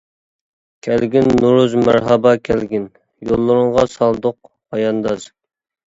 كەلگىن نورۇز مەرھابا كەلگىن، يوللىرىڭغا سالدۇق پايانداز.